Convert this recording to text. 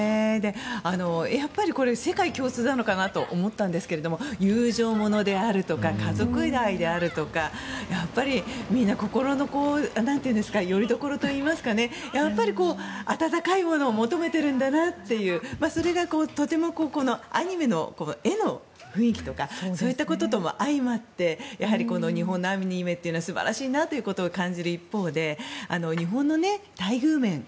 やっぱり世界共通なのかなと思ったんですが友情物であるとか家族愛であるとかみんな心のよりどころといいますか温かいものを求めてるんだなというそれがとてもアニメの絵の雰囲気とかそういったこととも相まってこの日本のアニメというのは素晴らしいなということを感じる一方で日本の待遇面。